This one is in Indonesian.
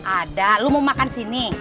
ada lo mau makan sini